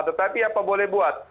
tetapi apa boleh buat